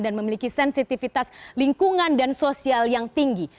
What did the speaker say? dan memiliki sensitivitas lingkungan dan sosial yang tinggi